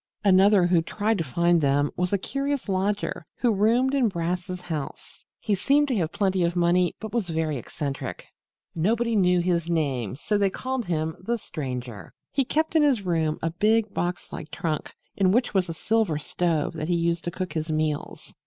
Another who tried to find them was a curious lodger who roomed in Brass's house. He seemed to have plenty of money but was very eccentric. Nobody knew even his name and so they called him The Stranger. He kept in his room a big box like trunk, in which was a silver stove that he used to cook his meals.